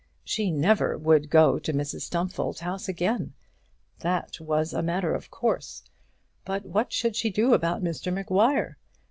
She never would go to Mrs Stumfold's house again; that was a matter of course; but what should she do about Mr Maguire?